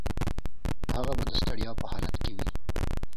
هغه به د ستړیا په حالت کې وي.